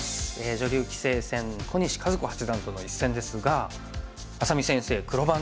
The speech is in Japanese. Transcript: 女流棋聖戦小西和子八段との一戦ですが愛咲美先生黒番ということで。